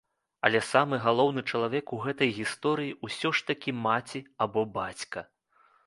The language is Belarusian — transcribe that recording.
Але самы галоўны чалавек у гэтай гісторыі ўсё ж такі маці або бацька.